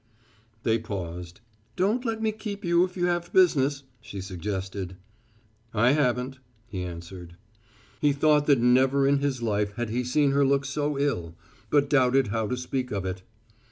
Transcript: They paused. "Don't let me keep you if you have business," she suggested. "I haven't," he answered. He thought that never in his life had he seen her look so ill, but doubted how to speak of it.